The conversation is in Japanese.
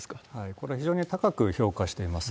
これ、非常に高く評価しています。